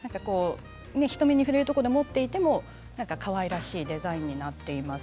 人目に触れるところで持っていてもなんかかわいらしいデザインになっています。